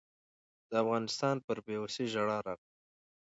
د افغانستان پر بېوسۍ ژړا راغله.